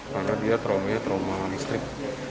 karena dia trauma listrik